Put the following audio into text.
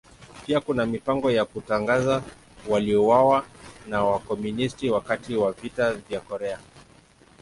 Pia kuna mipango ya kutangaza waliouawa na Wakomunisti wakati wa Vita vya Korea.